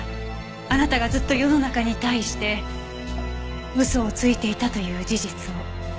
あなたがずっと世の中に対して嘘をついていたという事実を。